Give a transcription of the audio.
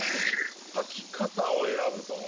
書き方を選ぶぞ。